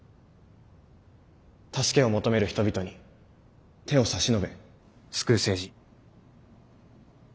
助けを求める人々に手を差し伸べ救う政治。